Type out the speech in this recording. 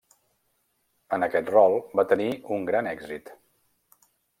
En aquest rol va tenir un gran èxit.